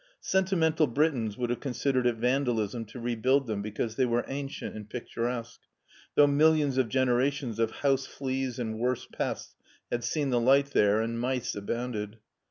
Sentimental Britons would have considered it vandalism to rebuild them because they were ancient and picturesque, though millions of generations of house fleas and worse pests had seen the light there, and mice abounded.